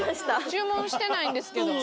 注文してないんですけど。